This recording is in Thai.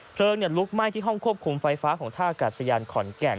เพลิงเนี่ยลุกไหม้ที่ห้องควบคุมไฟฟ้าของท่าอากาศยานขอนแก่น